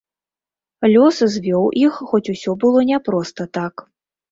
Лёс звёў іх, хоць усё было не проста так.